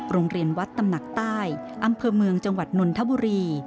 โรงเรียนวัดตำหนักใต้อำเภอเมืองจังหวัดนนทบุรี